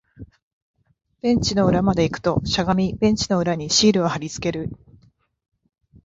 ベンチの裏まで行くと、しゃがみ、ベンチの裏にシールを貼り付ける